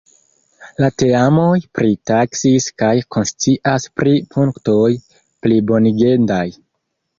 La teamoj pritaksis kaj konscias pri punktoj plibonigendaj.